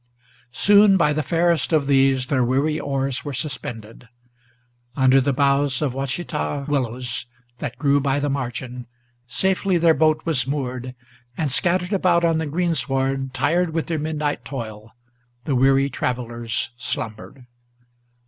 Soon by the fairest of these their weary oars were suspended. Under the boughs of Wachita willows, that grew by the margin, Safely their boat was moored; and scattered about on the greensward, Tired with their midnight toil, the weary travellers slumbered.